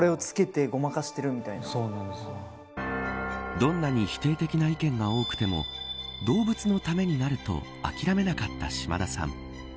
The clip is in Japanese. どんなに否定的な意見が多くても動物のためになると諦めなかった島田さん。